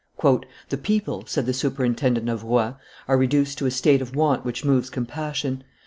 "The people," said the superintendent of Rouen, "are reduced to a state of want which moves compassion.